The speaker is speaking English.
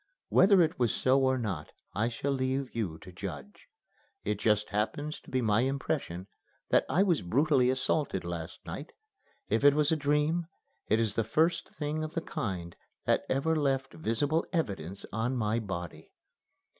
Whether it was so or not I shall leave you to judge. It just happens to be my impression that I was brutally assaulted last night. If it was a dream, it is the first thing of the kind that ever left visible evidence on my body."